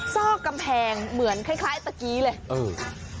ซอกกำแพงเหมือนคล้ายตะกี้เลยเออ